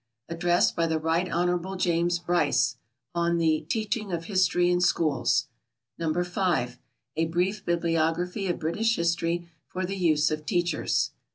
Address by the Right Hon. James Bryce, on the "Teaching of History in Schools." No. 5. A Brief Bibliography of British History for the use of teachers.